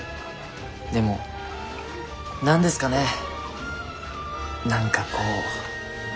でも何ですかね何かこう。